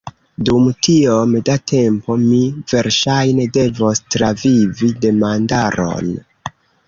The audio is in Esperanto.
Dum tiom da tempo, mi verŝajne devos travivi demandaron.